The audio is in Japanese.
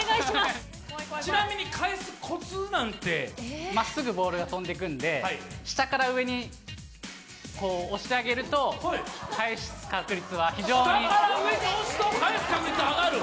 ちなみに返すコツなんてまっすぐボールが飛んでくんで下から上にこう押してあげると返す確率は非常に下から上に押すと返す確率上がる？